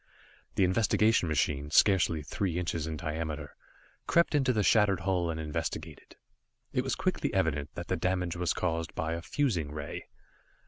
The investigation machine, scarcely three inches in diameter, crept into the shattered hull and investigated. It was quickly evident that the damage was caused by a fusing ray.